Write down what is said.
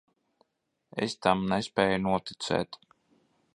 Es tam nespēju noticēt.